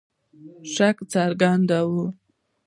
شک څرګنداوه.